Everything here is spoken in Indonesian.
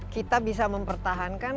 kita bisa mempertahankan